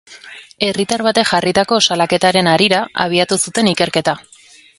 Herritar batek jarritako salaketaren harira abiatu zuten ikerketa.